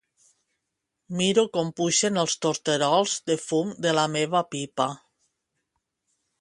Miro com pugen els torterols de fum de la meva pipa.